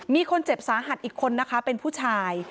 มีคนเจ็บสาหัสอีกคนนะคะเป็นผู้ชาย